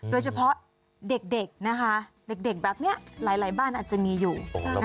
โดยเฉพาะเด็กนะคะเด็กแบบนี้หลายบ้านอาจจะมีอยู่